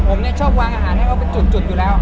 ผมนี่ชอบวางอาหารเขาไปจุดจุดอยู่แล้ว